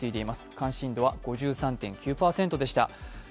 関心度は５３．９％でした。